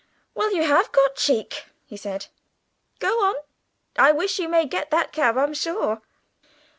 "Well, you have got cheek!" he said. "Go on, I wish you may get that cab, I'm sure!"